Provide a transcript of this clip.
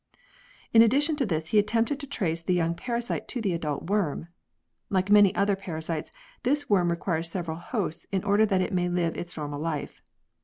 In addition to this he attempted to trace the young parasite to the adult worm. Like many other parasites, this worm requires several hosts in order that it may live its normal life.